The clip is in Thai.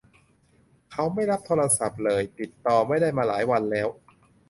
เขาไม่รับโทรศัพท์เลย ติดต่อไม่ได้มาหลายวันแล้ว